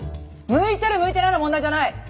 向いてる向いてないの問題じゃない！